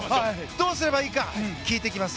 どうすればいいか聞いてきます。